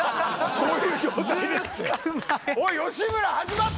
こういう状態ですって。